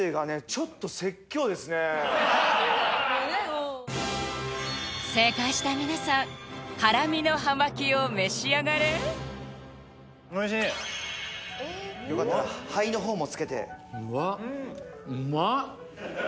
ちょっと正解した皆さんハラミの葉巻を召し上がれおいしいよかったら灰の方もつけてうわっうまっ！